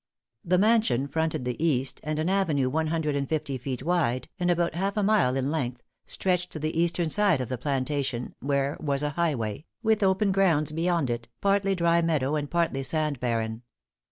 The mansion fronted the east and an avenue one hundred and fifty feet wide, and about half a mile in length, stretched to the eastern side of the plantation, where was a highway, with open grounds beyond it, partly dry meadow and partly sand barren.